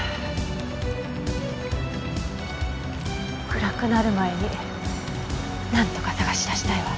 暗くなる前になんとか捜し出したいわ。